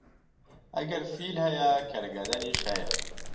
ئەگەر فیل هەیە، کەرگەدەنیش هەیە